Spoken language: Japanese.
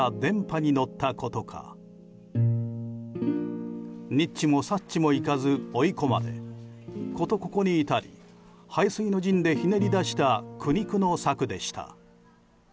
にっちもさっちもいかず追い込まれ事ここに至り背水の陣でひねり出した苦肉の策でした。